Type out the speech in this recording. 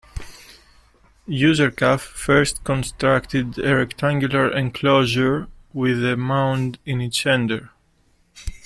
Userkaf first constructed a rectangular enclosure with a mound in its center.